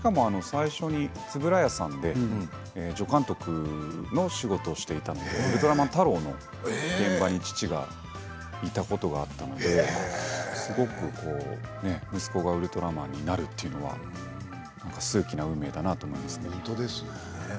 最初に円谷さんで助監督の仕事をしていたので「ウルトラマンタロウ」の現場に父がいたことがあったのですごく息子がウルトラマンになるというのは本当ですね。